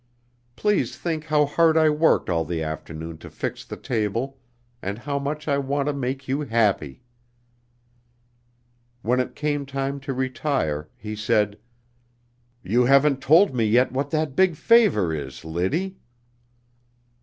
Please think how hard I worked all the afternoon to fix the table and how much I want to make you happy." When it came time to retire, he said: "You haven't told me yet what that big favor is, Liddy!"